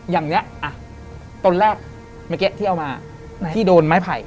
อย่างนี้ต้นแรกเมื่อกี้ที่เอามาที่โดนไม้ไผ่